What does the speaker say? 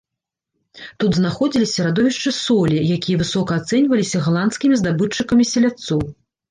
Тут знаходзіліся радовішчы солі, якая высока ацэньвалася галандскімі здабытчыкамі селядцоў.